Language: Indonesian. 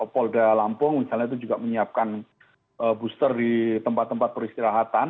polda lampung misalnya itu juga menyiapkan booster di tempat tempat peristirahatan